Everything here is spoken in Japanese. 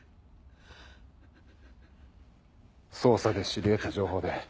捜査で知り得た情報で。